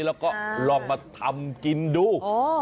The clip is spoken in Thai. แล้วก็ลองมาทำกินดู